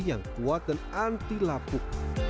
yang kuat dan anti lapuk